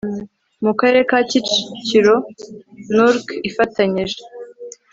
mu karere ka kicukiro nurc ifatanije